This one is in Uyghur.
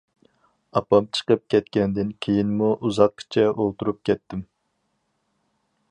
ئاپام چىقىپ كەتكەندىن كېيىنمۇ ئۇزاققىچە ئولتۇرۇپ كەتتىم.